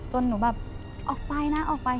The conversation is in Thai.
หนูแบบออกไปนะออกไป